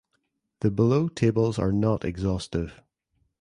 The below tables are not exhaustive.